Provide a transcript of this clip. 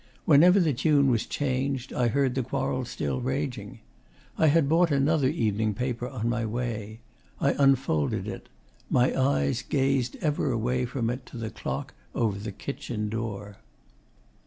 Whenever the tune was changed I heard the quarrel still raging. I had bought another evening paper on my way. I unfolded it. My eyes gazed ever away from it to the clock over the kitchen door....